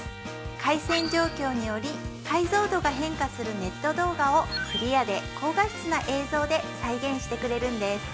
回線状況により解像度が変化するネット動画をクリアで高画質な映像で再現してくれるんです